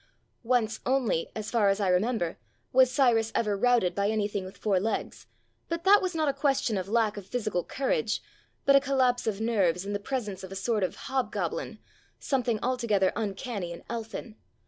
Once only, as far as I remember, was Cyrus ever routed by anything with four legs, but that was not a question of lack of physical courage, but a collapse of nerves in the presence of a sort of hobgoblin, something altogether uncanny and elfin.